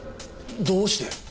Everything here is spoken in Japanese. どうして？